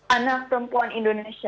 anak perempuan indonesia